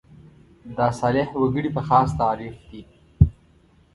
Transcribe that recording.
دا صالح وګړي په خاص تعریف دي.